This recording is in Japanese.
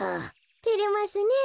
てれますねえ。